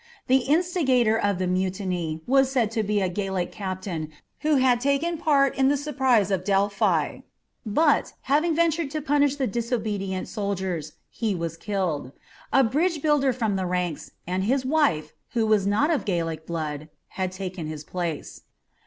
The instigator of the mutiny was said to be a Gallic captain who had taken part in the surprise of Delphi, but, having ventured to punish disobedient soldiers, he was killed. A bridge builder from the ranks, and his wife, who was not of Gallic blood, had taken his place.